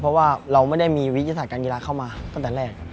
เพราะว่าเราไม่ได้มีวิทยาศาสตร์การกีฬาเข้ามาตั้งแต่แรก